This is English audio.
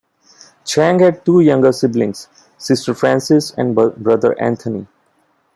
Chang had two younger siblings: sister Frances and brother Anthony.